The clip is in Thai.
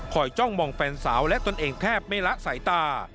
จ้องมองแฟนสาวและตนเองแทบไม่ละสายตา